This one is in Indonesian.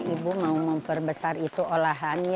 ibu mau memperbesar itu olahannya